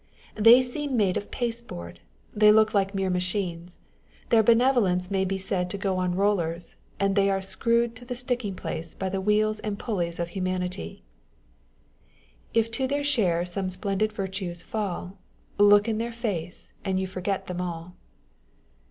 They seem made of pasteboard, they look like mere machines : their benevolence may be said to go on rollers, and they are screwed to the sticking place by the wheels and pulleys of humanity : If to their share some splendid virtues fall, Look in their face, and you forget them all.